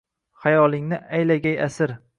Xayolingni aylagay asir.